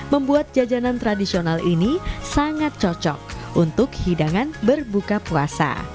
membuat jajanan tradisional ini sangat cocok untuk hidangan berbuka puasa